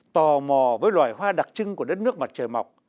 tò mò với loài hoa đặc trưng của đất nước mặt trời mọc